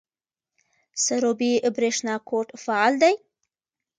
سروبي بریښنا کوټ فعال دی؟